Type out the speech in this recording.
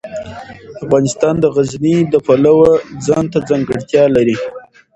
افغانستان د غزني د پلوه ځانته ځانګړتیا لري.